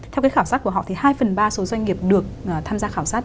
theo cái khảo sát của họ thì hai phần ba số doanh nghiệp được tham gia khảo sát